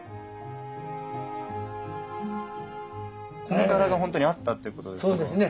この柄が本当にあったってことですか？